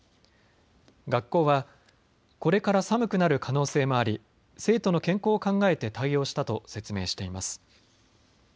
学校はこれから寒くなる可能性もあり生徒の健康を考えて対応したと説明しています。